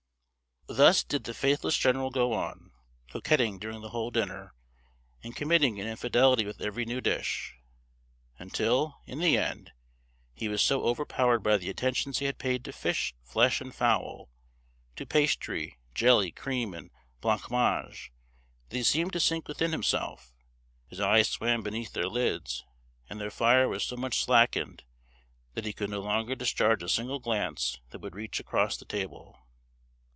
Thus did the faithless general go on, coquetting during the whole dinner, and committing an infidelity with every new dish; until, in the end, he was so overpowered by the attentions he had paid to fish, flesh, and fowl; to pastry, jelly, cream, and blancmange, that he seemed to sink within himself: his eyes swam beneath their lids, and their fire was so much slackened, that he could no longer discharge a single glance that would reach across the table.